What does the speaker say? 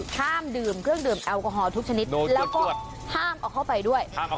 ห้ามดื่มเครื่องดื่มแอลกอฮอลทุกชนิดแล้วก็ห้ามเอาเข้าไปด้วย